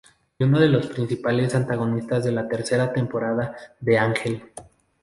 Y uno de los principales antagonistas de la tercera temporada de "Ángel".